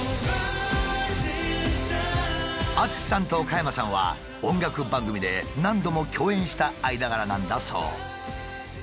ＡＴＳＵＳＨＩさんと加山さんは音楽番組で何度も共演した間柄なんだそう。